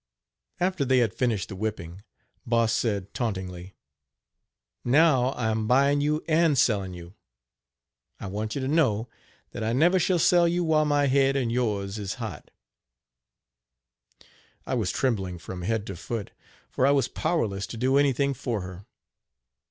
After they had finished the whipping, Boss said, tauntingly: "Now I am buying you and selling you I want you to know that I never shall sell you while my head and yours is hot." I was trembling from head to foot, for I was powerless to do anything for her.